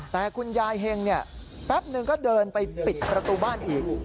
แต่คุณยายเห็งแป๊บนึงก็เดินไปปิดประตูบ้านอีก